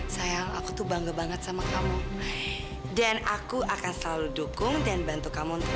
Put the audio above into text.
sayang aku tuh bangga banget sama kamu dan aku akan selalu dukung dan bantu kamu untuk